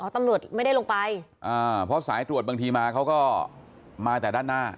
ตำรวจไม่ได้ลงไปอ่าเพราะสายตรวจบางทีมาเขาก็มาแต่ด้านหน้า